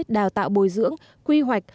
đào tạo bồi dưỡng quy hoạch